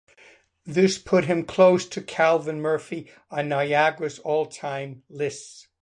This put him close to Calvin Murphy on Niagara's all time lists.